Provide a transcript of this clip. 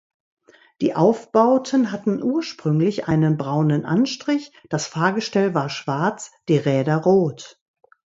Die Aufbauten hatten ursprünglich einen braunen Anstrich, das Fahrgestell war Schwarz, die Räder rot.